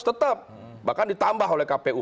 tetap bahkan ditambah oleh kpu